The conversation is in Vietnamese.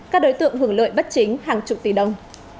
các đối tượng hưởng lợi bất chính hàng chục tỷ đồng